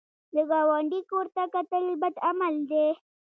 د ګاونډي کور ته کتل بد عمل دی